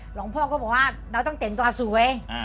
หลวงพ่อก็บอกว่าเราต้องแต่งตัวสวย